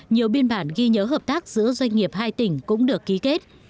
nhiều biên bản ghi nhớ hợp tác giữa doanh nghiệp hai tỉnh cũng được ký kết